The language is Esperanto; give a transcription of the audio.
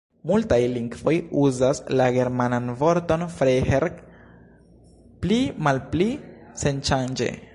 Multaj lingvoj uzas la germanan vorton "Freiherr" pli-malpli senŝanĝe.